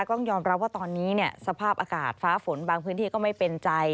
ต้องยอมรับว่าตอนนี้สภาพอากาศฟ้าฝนบางพื้นที่ก็ไม่เป็นใจ